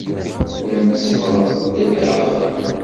Llant sebbɣent-d axxam.